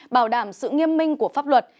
bảo đảm sự nghiêm minh của pháp luật